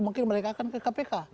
mungkin mereka akan ke kpk